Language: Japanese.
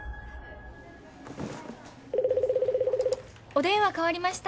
お電話代わりました。